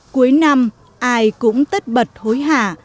cuối năm ai cũng tất bật hối hả